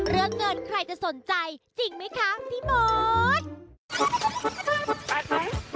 เรื่องเงินใครจะสนใจจริงไหมคะพี่มด